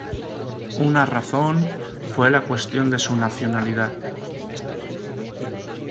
Una razón fue la cuestión de su nacionalidad.